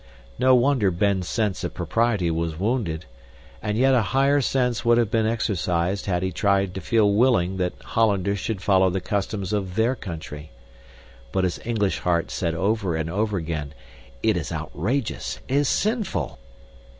No wonder Ben's sense of propriety was wounded; and yet a higher sense would have been exercised had he tried to feel willing that Hollanders should follow the customs of their country. But his English heart said over and over again, "It is outrageous! It is sinful!"